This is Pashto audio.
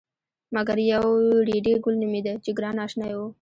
مګر یو ریډي ګل نومېده چې ګران اشنای و.